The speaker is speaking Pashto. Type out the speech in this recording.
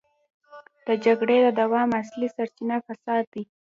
د جګړې د دوام اصلي سرچينه فساد دی.